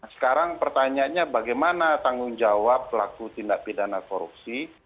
sekarang pertanyaannya bagaimana tanggung jawab pelaku tindak pidana korupsi